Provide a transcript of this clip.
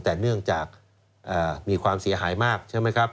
แต่เนื่องจากมีความเสียหายมากใช่ไหมครับ